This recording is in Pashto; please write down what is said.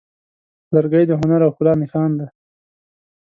لرګی د هنر او ښکلا نښان دی.